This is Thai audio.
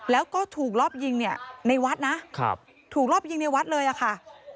แล้วก็ถูกรอบยิงเนี่ยในวัดนะถูกรอบยิงในวัดเลยอะค่ะ